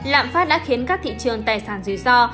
lạm phát đã khiến các thị trường tài sản dưới so